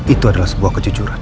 itu adalah sebuah kejujuran